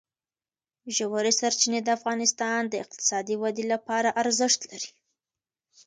ژورې سرچینې د افغانستان د اقتصادي ودې لپاره ارزښت لري.